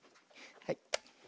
はい。